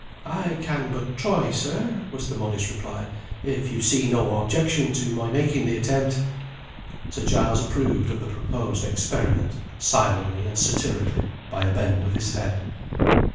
"I can but try, sir," was the modest reply, "if you see no objection to my making the attempt." Sir Giles approved of the proposed experiment, silently and satirically, by a bend of his head.